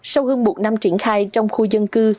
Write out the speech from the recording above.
sau hơn một năm triển khai trong khu dân cư